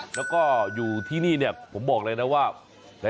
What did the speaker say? แล้วก็อยู่ที่นี่ผมบอกเลยนะว่า